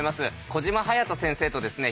小島勇人先生とですね